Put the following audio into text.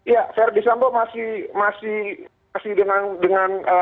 ya verdi sambo masih dengan apa namanya